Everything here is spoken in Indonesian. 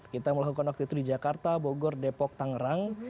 kita melakukan waktu itu di jakarta bogor depok tangerang